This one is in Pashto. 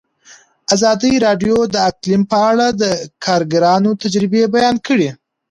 ازادي راډیو د اقلیم په اړه د کارګرانو تجربې بیان کړي.